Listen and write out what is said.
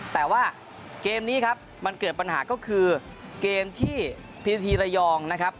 แต่ว่าเกมนี้ครับมันเกิดปัญหาก็คือเกมที่พีทีระยองนะครับ